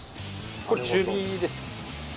これ中火です